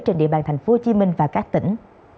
trên địa bàn thành phố hồ chí minh và các tỉnh